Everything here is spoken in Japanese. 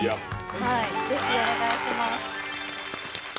はい是非お願いします